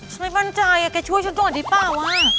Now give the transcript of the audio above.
ฉันไม่บ้านใจอะแกช่วยฉันต้องกันดีป่าวว่ะ